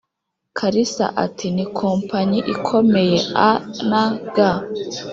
kalisa ati"ni company ikomeye a.n.g.